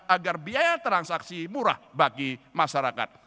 agar biaya transaksi murah bagi masyarakat